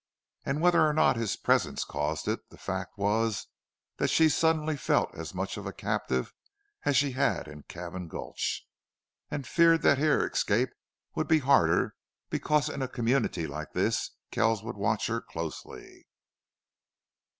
And whether or not his presence caused it, the fact was that she suddenly felt as much of a captive as she had in Cabin Gulch, and feared that here escape would be harder because in a community like this Kells would watch her closely.